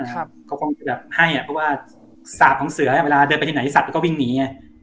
เขาก็คงจะให้เพราะว่าสาปของเสือเวลาเดินไปที่ไหนที่สัดก็วิ่งหนี